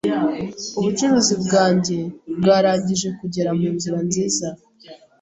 Ubucuruzi bwanjye bwarangije kugera munzira nziza.